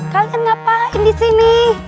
kalian ngapain disini